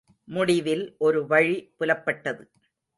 முடிவில் ஒரு வழி புலப்பட்டது.